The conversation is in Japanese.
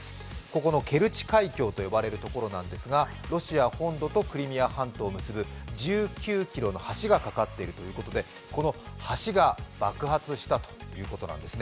ここのケルチ海峡というところなんですが、ロシア本土とクリミア半島を結ぶ１９ｋｍの橋が架かっているということで、この橋が爆発したということです。